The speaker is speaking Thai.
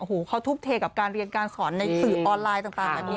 โอ้โหเขาทุ่มเทกับการเรียนการสอนในสื่อออนไลน์ต่างแบบนี้